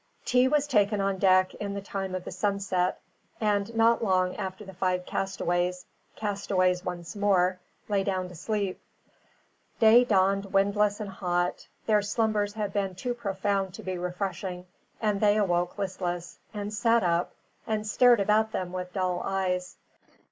Tea was taken on deck in the time of the sunset, and not long after the five castaways castaways once more lay down to sleep. Day dawned windless and hot. Their slumbers had been too profound to be refreshing, and they woke listless, and sat up, and stared about them with dull eyes.